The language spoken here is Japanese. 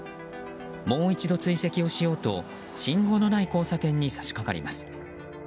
もう一度、追跡をしようと信号のない交差点に差し掛かります。